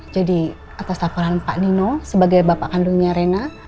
jadi atas laporan pak nino sebagai bapak kandungnya rena